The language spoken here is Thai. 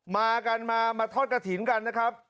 มากันมามาทอดกระถิ่นกันนะครับ